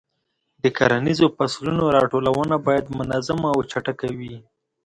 د کرنیزو فصلونو راټولونه باید منظمه او چټکه وي.